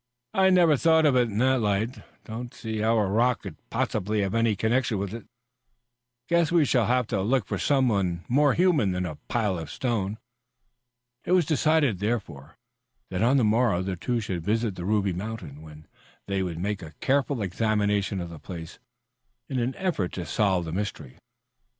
"I never thought of it in that light. Don't see how a rock could possibly have any connection with it. Guess we shall have to look for something more human than a pile of stone." It was decided, therefore, that on the morrow the two should visit the Ruby Mountain, when they would make a careful examination of the place in an effort to solve the mystery.